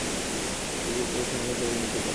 এই গ্রুপের পরিসংখ্যান টেবিল নিচে দেওয়া হলো।